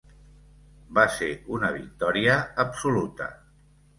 Va ser una victòria absoluta.